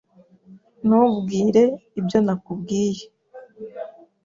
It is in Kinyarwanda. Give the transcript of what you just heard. Ntubwire ibyo nakubwiye